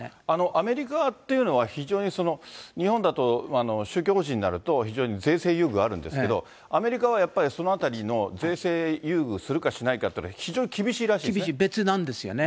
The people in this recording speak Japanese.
アメリカっていうのは、非常に日本だと宗教法人になると、非常に税制優遇あるんですけど、アメリカはやっぱりそのあたりの税制優遇するかしないかって、非厳しい、別なんですよね。